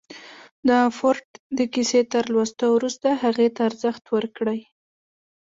د فورډ د کيسې تر لوستو وروسته هغې ته ارزښت ورکړئ.